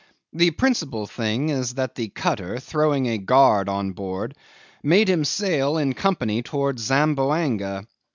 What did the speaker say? The principal thing is that the cutter, throwing a guard on board, made him sail in company towards Zamboanga.